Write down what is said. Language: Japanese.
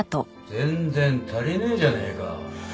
全然足りねえじゃねえか。